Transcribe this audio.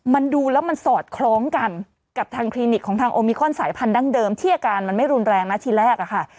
มันดูแล้วมันสอดคล้องกันกับทางคลินิกของทางโอมิคอนสายพันธั้งเดิมที่อาการมันไม่รุนแรงนะทีแรกอะค่ะ